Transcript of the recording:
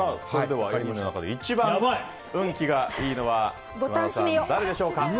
それでは一番運気がいいのは島田さん、誰でしょうか？